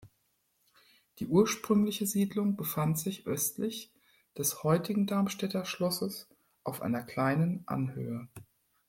Die ursprüngliche Siedlung befand sich östlich des heutigen Darmstädter Schlosses auf einer kleinen Anhöhe.